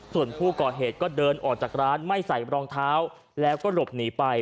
ส่วนผู้ก่อเหตุก็เดินออกจากร้านไม่ใส่รองเท้าแล้วก็หลบหนีไป